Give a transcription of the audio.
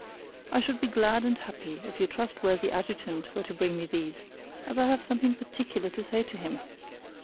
I should be glad and happy if your trustworthy Adjutant were to bring me these, as I have something particular to say to him.